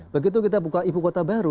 begitu kita buka ibu kota baru